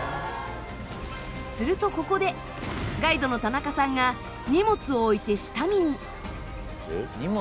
するとここでガイドの田中さんが「えっ？」「荷物を置いて？」